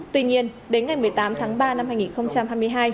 tuy nhiên đến ngày một mươi tám tháng ba năm hai nghìn hai mươi hai